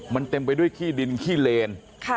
มันเต็มไปด้วยขี้ดินขี้เลน